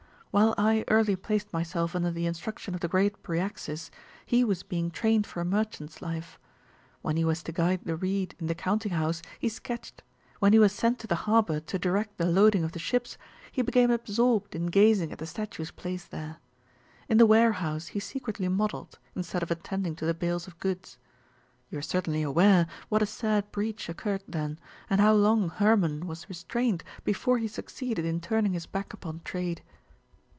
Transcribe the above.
While I early placed myself under the instruction of the great Bryaxis, he was being trained for a merchant's life. When he was to guide the reed in the counting house, he sketched; when he was sent to the harbour to direct the loading of the ships, he became absorbed in gazing at the statues placed there. In the warehouse he secretly modelled, instead of attending to the bales of goods. You are certainly aware what a sad breach occurred then, and how long Hermon was restrained before he succeeded in turning his back upon trade."